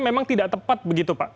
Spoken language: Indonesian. memang tidak tepat begitu pak